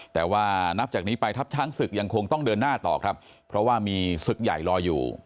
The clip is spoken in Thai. แต่ว่านับจากนี้ไปทัพช้างศึกยังคงต้องเดินหน้าต่อครับเพราะว่ามีศึกใหญ่รออยู่